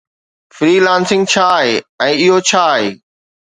Free lancing ڇا آهي ۽ اهو ڇا آهي؟